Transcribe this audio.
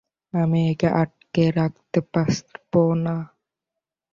আমি একে আটকে রাখতে পারব না।